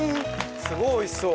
すごいおいしそう。